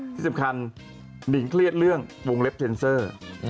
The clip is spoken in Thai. ที่สำคัญหนิงเครียดเรื่องวงเล็บเทนเซอร์